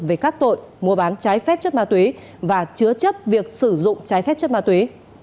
về các tội mua bán trái phép chất ma túy và chứa chấp việc sử dụng trái phép chất ma túy